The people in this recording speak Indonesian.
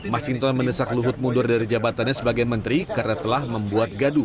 mas inton mendesak luhut mundur dari jabatannya sebagai menteri karena telah membuat gaduh